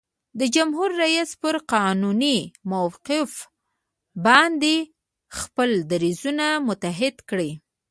د جمهور رئیس پر قانوني موقف باید خپل دریځونه متحد کړي.